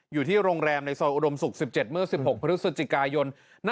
อยู่ที่โรงแรมในซอยอุดมศุกร์๑๗เมื่อ๑๖พฤศจิกายน